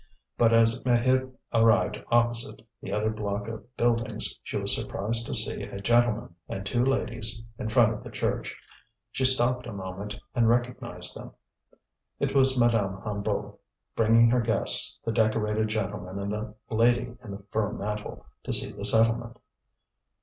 But as Maheude arrived opposite the other block of buildings, she was surprised to see a gentleman and two ladies in front of the church. She stopped a moment and recognized them; it was Madame Hennebeau bringing her guests, the decorated gentleman and the lady in the fur mantle, to see the settlement.